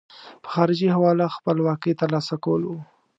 په خارجي حواله خپلواکۍ ترلاسه کول وو.